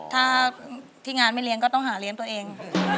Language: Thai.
ถ้าที่งานไม่เลี้ยงก็ต้องหาเลี้ยงตัวเอง